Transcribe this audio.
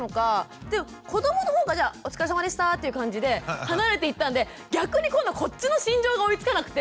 で子どもほうがじゃあお疲れさまでしたっていう感じで離れていったんで逆に今度こっちの心情が追いつかなくて。